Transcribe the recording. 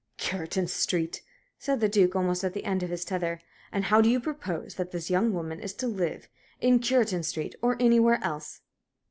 "Cureton Street!" said the Duke, almost at the end of his tether. "And how do you propose that this young woman is to live in Cureton Street, or anywhere else?"